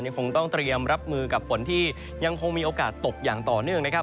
คงต้องเตรียมรับมือกับฝนที่ยังคงมีโอกาสตกอย่างต่อเนื่องนะครับ